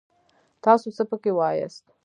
تاڅو څه پکې واياست!